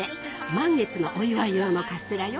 満月のお祝い用のカステラよ。